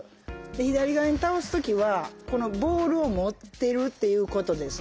左側に倒すときはこのボールを持ってるっていうことでですね